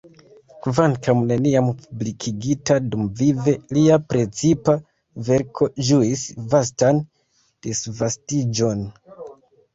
Kvankam neniam publikigita dumvive, lia precipa verko ĝuis vastan disvastiĝon.